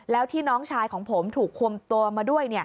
แล้วที่น้องชายของผมถูกคุมตัวมาด้วย